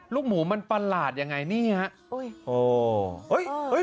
ลูกหมูมันประหลาดยังไงนี่ฮะ